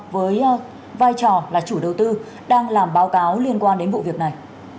với vai trò là chủ đầu tư đang làm báo cáo liên quan đến vụ việc này